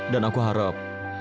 dan aku harap